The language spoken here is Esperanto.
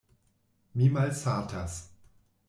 Mi malsatas.